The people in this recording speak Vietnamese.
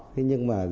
thế nhưng mà